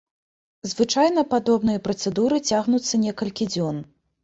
Звычайна падобныя працэдуры цягнуцца некалькі дзён.